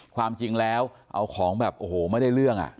ความจริงแล้วเอาของแบบโอ้โหไม่ได้เรื่อง